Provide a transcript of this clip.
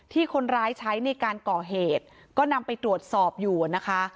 ที่คนร้ายใช้ในการก่อเหตุก็นำไปตรวจสอบอยู่นะคะ